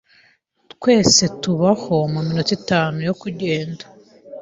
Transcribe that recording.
Twese tubaho muminota itanu yo kugenda.